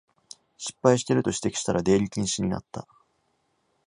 失敗してると指摘したら出入り禁止になった